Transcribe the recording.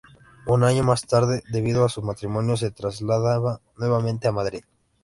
Un año más tarde, debido a su matrimonio se traslada nuevamente a Madrid.